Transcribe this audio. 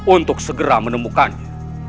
untuk segera menemukannya